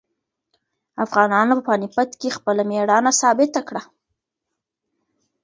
افغانانو په پاني پت کې خپله مېړانه ثابته کړه.